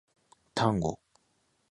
タンゴ